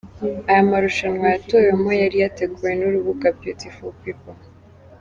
Aya marushanwa yatowemo yari yateguwe n’urubuga beautifulpeople.